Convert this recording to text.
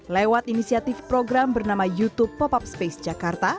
lewat inisiatif program bernama youtube pop up space jakarta